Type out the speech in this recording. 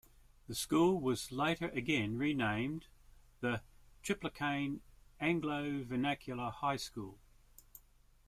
The school was later again renamed "The Triplicane Anglo-Vernacular High School".